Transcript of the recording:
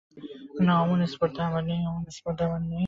না, অমন স্পর্ধা আমার নেই।